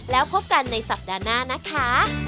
แล้วพบกันในสัปดาห์หน้านะคะ